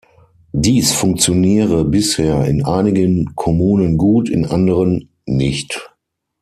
Dies funktioniere bisher „in einigen Kommunen gut, in anderen nicht“.